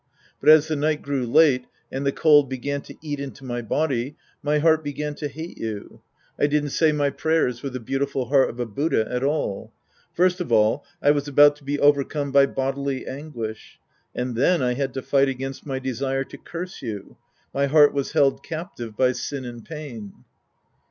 But as the night grew late and the cold began to eat into my body, my heart began to hate you. I didn't say my prayers with the beautiful heart of a Buddha at all. First of all, I was about to be overcome by bodily anguish. And then I had to fight against my desire to curse you. My heart was held captive by sin and pain.